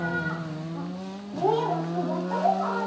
あっそういえばスイやったことある。